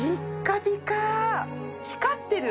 光ってる！